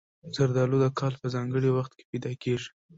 زردالو د کال په ځانګړي وخت کې پیدا کېږي.